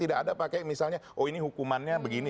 tidak ada pakai misalnya oh ini hukumannya begini